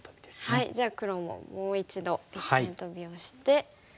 はいじゃあ黒ももう一度一間トビをして。